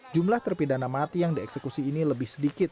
jumlah terpidana mati yang dieksekusi ini lebih sedikit